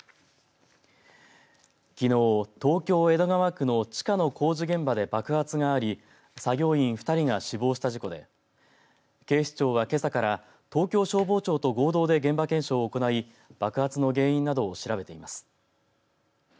きのう東京、江戸川区の地下の工事現場で爆発があり作業員２人が死亡した事故で警視庁は、けさから東京消防庁と合同で現場検証を行い爆発の原因などを調べています。